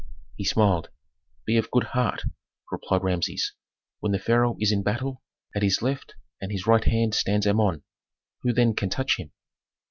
He smiled. "Be of good heart," replied Rameses. "When the pharaoh is in battle, at his left and his right hand stands Amon. Who then can touch him?"